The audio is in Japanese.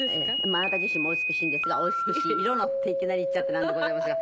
あなた自身もお美しいんですが「お美しい色の」っていきなり言っちゃってなんでございますが。